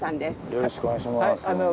よろしくお願いします。